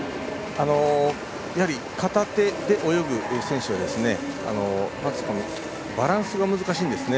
片手で泳ぐ選手はバランスが難しいんですね。